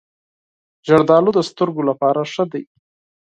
زردالو د سترګو لپاره ښه دي.